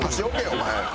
お前。